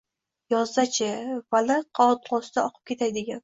Yozda-chi, Vali Qonqusda oqib ketay degan.